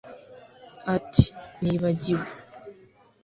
Ati Nibagiwe